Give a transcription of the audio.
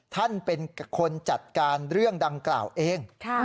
ท่านเป็นคนจัดการเรื่องดังกล่าวเอง